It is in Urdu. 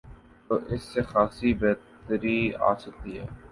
تو اس سے خاصی بہتری آ سکتی ہے۔